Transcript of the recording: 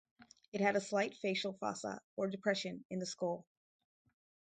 It had a slight facial fossa, or depression, in the skull.